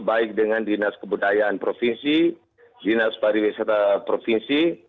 baik dengan dinas kebudayaan provinsi dinas pariwisata provinsi